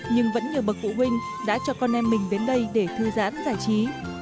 nhưng vẫn nhiều bậc phụ huynh đã cho con em mình đến đây để thư giãn giải trí